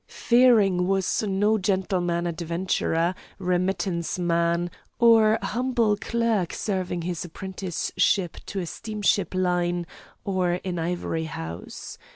Fearing was no gentleman adventurer, remittance man, or humble clerk serving his apprenticeship to a steamship line or an ivory house.